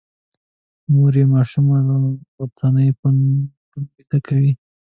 مور یې ماشومه غرڅنۍ په نکلونو ویده کوي.